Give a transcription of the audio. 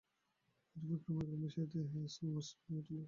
এইরূপে ক্রমে ক্রমে সে দেহে কিছু স্থূল ও মসৃণ হইয়া উঠিল।